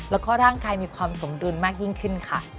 แล้วก็ร่างกายมีความสมดุลมากยิ่งขึ้นค่ะ